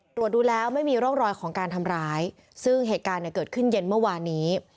ตรวจดูแล้วไม่มีร่องรอยของการทำร้ายซึ่งเหตุการณ์เนี่ยเกิดขึ้นเย็นเมื่อวานนี้